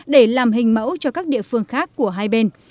để làm hình mẫu cho các địa phương khác của hai bên